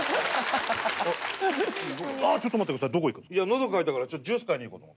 喉渇いたからジュース買いに行こうと。